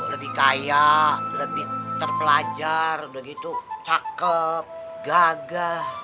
lebih kaya lebih terpelajar udah gitu cakep gagah